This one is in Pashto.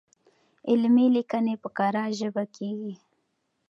علمي ليکنې په کره ژبه کيږي.